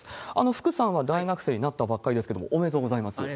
福さんは大学生になったばかりですけれども、おめでとうございます。